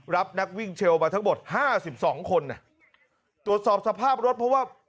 รับนักวิ่งเซลล์มาทั้งหมด๕๒คนละตรวจสอบสภาพรถเพราะว่า